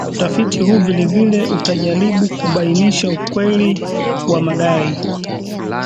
Utafiti huu vilevile utajaribu kubainisha ukweli wa madai